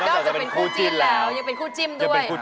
อกจากเป็นคู่จิ้นแล้วยังเป็นคู่จิ้มด้วย